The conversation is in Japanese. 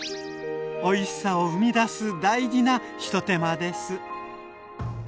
おいしさを生み出す大事な一手間です。